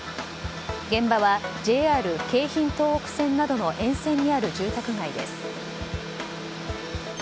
現場はＪＲ京浜東北線などの沿線にある住宅街です。